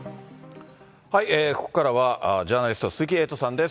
ここからはジャーナリスト、鈴木エイトさんです。